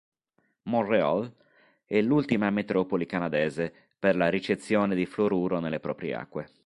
Montréal è l'ultima metropoli canadese per la ricezione di fluoruro nelle proprie acque.